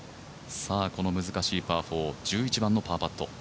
この難しいパー４１１番のパーパット。